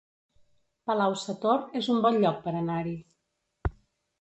Palau-sator es un bon lloc per anar-hi